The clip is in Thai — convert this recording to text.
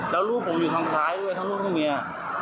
แล้วลูกผมอยู่ทางท้ายด้วยทั้งลูกทั้งเมีย